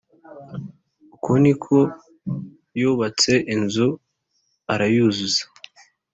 Uko ni ko yubatse inzu arayuzuza